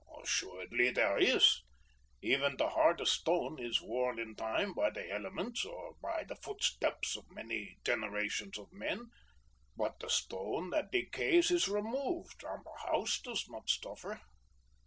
"Assuredly there is! Even the hardest stone is worn in time by the elements, or by the footsteps of many generations of men; but the stone that decays is removed, and the house does not suffer."